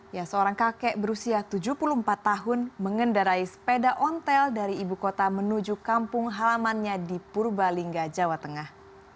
ya seorang kakek berusia tujuh puluh empat tahun mengendarai sepeda ontel dari ibu kota menuju kampung halamannya di purbalingga jawa tengah